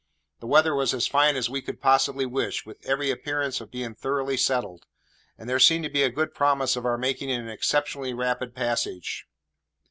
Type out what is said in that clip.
The weather was as fine as we could possibly wish, with every appearance of being thoroughly settled; and there seemed to be a good promise of our making an exceptionally rapid passage.